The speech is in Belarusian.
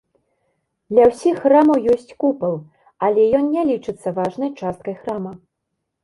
Ля ўсіх храмаў ёсць купал, але ён не лічыцца важнай часткай храма.